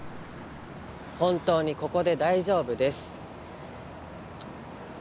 本当にここで大丈夫です。